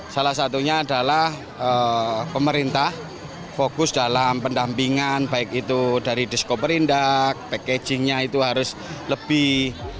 salah satunya adalah pemerintah fokus dalam pendampingan baik itu dari diskoperindak packagingnya itu harus lebih